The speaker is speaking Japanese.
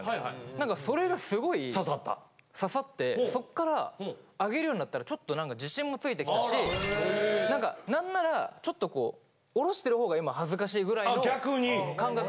何かそれがすごい刺さってそっから上げるようになったらちょっと何か自信もついてきたし何か何ならちょっとこう下ろしてるほうが今恥ずかしいぐらいの感覚になってきて。